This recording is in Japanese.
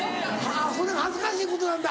それが恥ずかしいことなんだ。